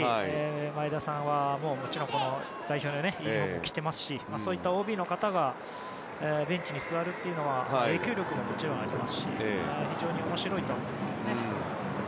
前田さんはもちろん代表のユニホームを着ていますしそういったＯＢの方がベンチに座るというのは影響力も、もちろんありますし非常に面白いとは思いますね。